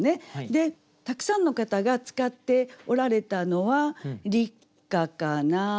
たくさんの方が使っておられたのは「立夏かな」。